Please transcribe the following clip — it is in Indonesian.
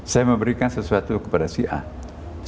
saya memberikan sesuatu kepada siapa